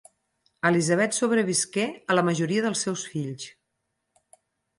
Elisabet sobrevisqué a la majoria dels seus fills.